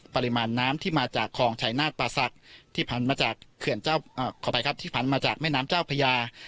ปริมาณน้ำที่มาจากของชายนาฏปาศักดิ์ที่ผันมาจากแม่น้ำเจ้าพระยา